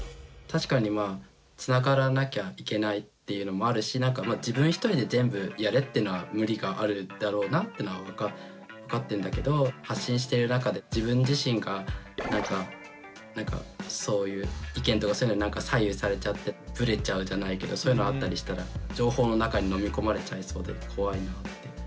確かにまあつながらなきゃいけないっていうのもあるし自分一人で全部やれってのは無理があるだろうなってのは分かってんだけど発信してる中で自分自身がなんかそういう意見とかそういうのに左右されちゃってぶれちゃうじゃないけどそういうのあったりしたら情報の中にのみ込まれちゃいそうで怖いなって。